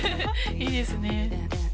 いいですね。